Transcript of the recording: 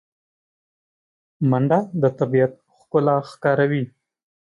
منډه د طبیعت ښکلا ښکاروي